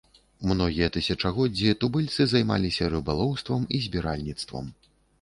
Многія тысячагоддзі тубыльцы займаліся рыбалоўствам і збіральніцтвам.